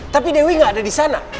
tapi dewi nggak ada di sana